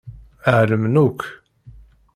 Ɛelmen akk.